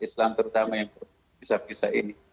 islam terutama yang berpisah pisah ini